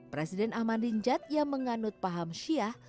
presiden ahmadinejad yang menganut paham syiah